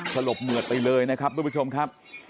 สลบเหมือดไปเลยนะครับทุกผู้ชมครับ